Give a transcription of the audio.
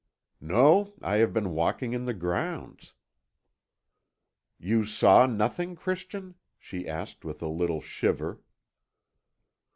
"No; I have been walking in the grounds." "You saw nothing, Christian?" she asked with a little shiver.